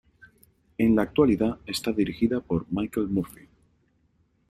En la actualidad está dirigida por Michael Murphy.